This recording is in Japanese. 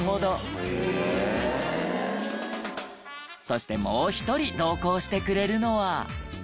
そしてもう１人同行してくれるのは。